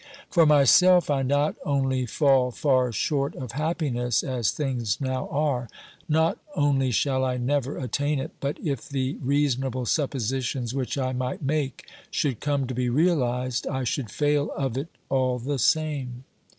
For myself, I not only fall far short of happiness as things now are, not only shall I never attain it, but if the reasonable suppositions which I might make should come to be realised, I should fail of it all the same.